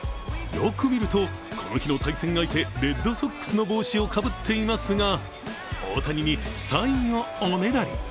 よく見ると、この日の対戦相手、レッドソックスの帽子をかぶっていますが、大谷にサインをおねだり。